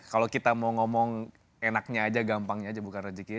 kalau kita mau ngomong enaknya aja gampangnya aja bukan rezeki ya